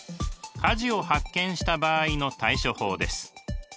火事を発見した場合の対処法です。